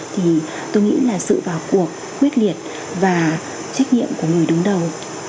thì tôi nghĩ là sự vào cuộc quyết liệt và trách nhiệm của người đứng đầu